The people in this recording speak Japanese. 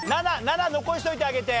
７７残しといてあげて。